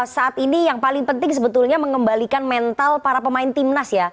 saat ini yang paling penting sebetulnya mengembalikan mental para pemain timnas ya